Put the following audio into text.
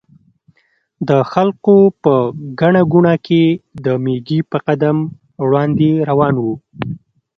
د خلکو په ګڼه ګوڼه کې د مېږي په قدم وړاندې روان و.